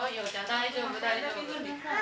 大丈夫大丈夫。